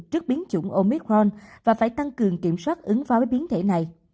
trước biến chủng omicron và phải tăng cường kiểm soát ứng phó với biến thể này